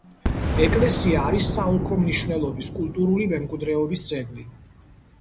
ეკლესია არის საოლქო მნიშვნელობის კულტურული მემკვიდრეობის ძეგლი.